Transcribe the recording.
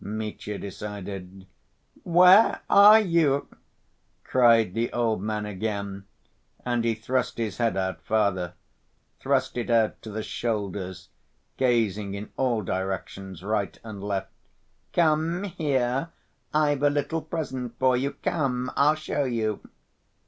Mitya decided. "Where are you?" cried the old man again; and he thrust his head out farther, thrust it out to the shoulders, gazing in all directions, right and left. "Come here, I've a little present for you. Come, I'll show you...."